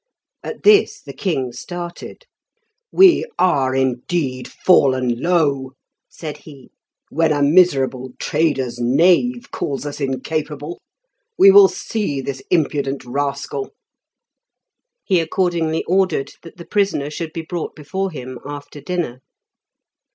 At this the king started. "We are, indeed, fallen low," said he, "when a miserable trader's knave calls us incapable. We will see this impudent rascal." He accordingly ordered that the prisoner should be brought before him after dinner.